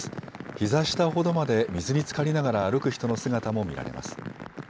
ひざ下ほどまで水につかりながら歩く人の姿も見られます。